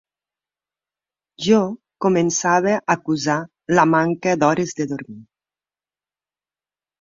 Jo començava a acusar la manca d'hores de dormir